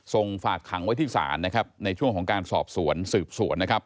ส่งฝากขังไว้ที่ศาลนะครับในช่วงของการสอบสวนสืบสวนนะครับ